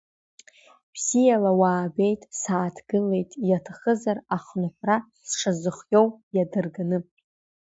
Бзиала уаабеит, сааҭгылеит, иаҭахызар ахынҳәра сшазыхиоу иадырганы.